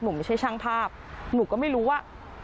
ไม่ใช่ช่างภาพหนูก็ไม่รู้ว่า